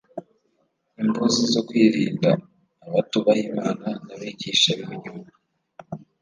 imbuzi zo kwirinda abatubaha imana n’abigisha b’ibinyoma